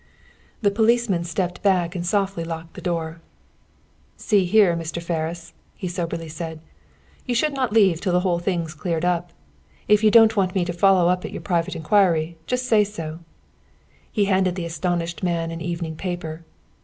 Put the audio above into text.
The policeman stepped back and softly locked the door. "See here, Mr. Ferris," he soberly said. "You should not leave till the whole thing's cleared up. If you don't want me to follow up your private inquiry, just say so." He handed to the astonished man an evening paper.